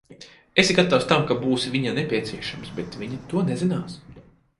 Esi gatavs tam, ka būsi viņai nepieciešams, bet viņa to nezinās.